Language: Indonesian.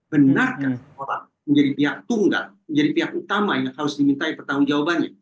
benarkah orang menjadi pihak tunggal menjadi pihak utama yang harus dimintai pertanggung jawabannya